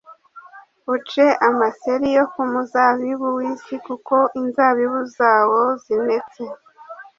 uce amaseri yo ku muzabibu w’isi kuko inzabibu zawo zinetse.”